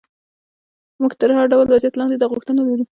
موږ تر هر ډول وضعیت لاندې دا غوښتنه لرو.